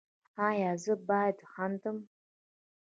ایا زه باید خندم؟